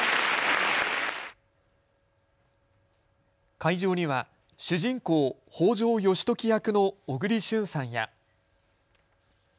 会場には主人公、北条義時役の小栗旬さんや。